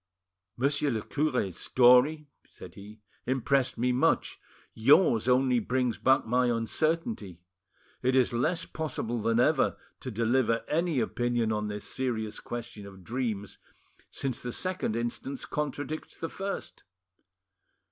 "Monsieur le cure's story," said he, "impressed me much; yours only brings back my uncertainty. It is less possible than ever to deliver any opinion on this serious question of dreams, since the second instance contradicts the first."